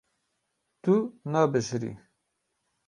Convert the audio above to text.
Tu nabişirî.